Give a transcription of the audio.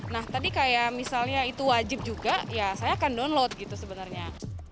nah tadi kayak misalnya itu wajib juga ya saya akan download gitu sebenarnya